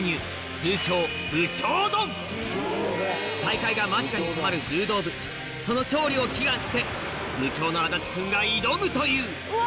通称部長丼大会が間近に迫る柔道部その勝利を祈願して部長の安達君が挑むといううわ！